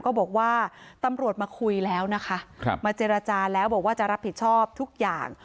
ก็บอกว่าตำรวจมาคุยแล้วนะคะมาเจรจาแล้วบอกว่าจะรับผิดชอบทุกอย่าง